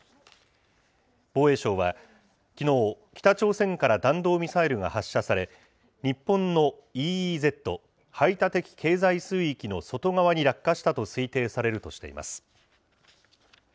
防衛省は、きのう、北朝鮮から弾道ミサイルが発射され、日本のＥＥＺ・排他的経済水域の外側に落下したと推定されるとしています。